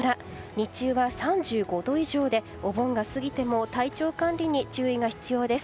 日中は３５度以上でお盆が過ぎても体調管理に注意が必要です。